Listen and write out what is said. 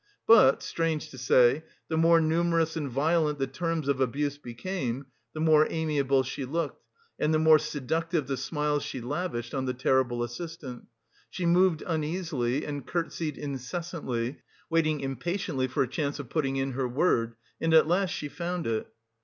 But, strange to say, the more numerous and violent the terms of abuse became, the more amiable she looked, and the more seductive the smiles she lavished on the terrible assistant. She moved uneasily, and curtsied incessantly, waiting impatiently for a chance of putting in her word: and at last she found it.